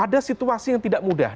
ada situasi yang tidak mudah